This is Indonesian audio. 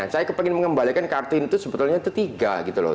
saya pengen mengembalikan kartini itu sebetulnya the three gitu loh